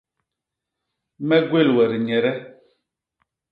Me gwél we dinyet e?